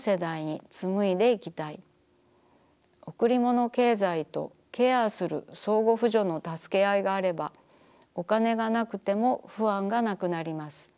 贈りもの経済とケアする相互扶助の助けあいがあればお金がなくても不安がなくなります。